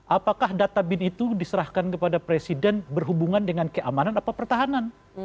apakah data bin itu diserahkan kepada presiden berhubungan dengan keamanan atau pertahanan